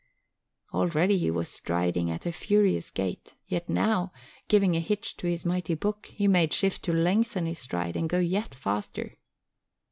Already he was striding at a furious gait, yet now, giving a hitch to his mighty book, he made shift to lengthen his stride and go yet faster.